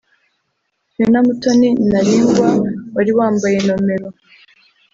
Fiona Mutoni Naringwa (wari wambaye nomero